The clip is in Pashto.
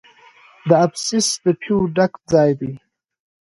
د ابسیس د پیو ډک ځای دی.